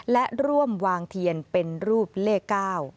และร่วมวางเทียนเป็นรูปเลข๙